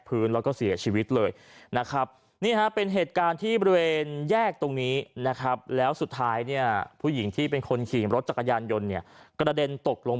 พื้นแล้วก็เสียชีวิตเลยนะครับนี่ฮะเป็นเหตุการณ์ที่บริเวณแยกตรงนี้นะครับแล้วสุดท้ายเนี่ยผู้หญิงที่เป็นคนขี่รถจักรยานยนต์เนี่ยกระเด็นตกลง